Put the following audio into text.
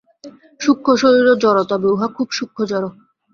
সূক্ষ্ম শরীরও জড়, তবে উহা খুব সূক্ষ্ম জড়।